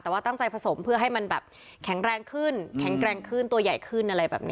แต่ว่าตั้งใจผสมเพื่อให้มันแบบแข็งแรงขึ้นแข็งแกร่งขึ้นตัวใหญ่ขึ้นอะไรแบบนี้